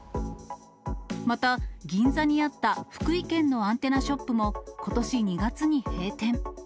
また、銀座にあった福井県のアンテナショップもことし２月に閉店。